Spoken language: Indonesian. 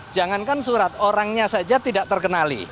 jangankan surat orangnya saja tidak terkenali